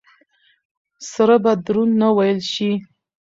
سره به دروند نه وېل شي.